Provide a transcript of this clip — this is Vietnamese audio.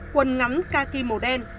quần ngắn kaki màu đen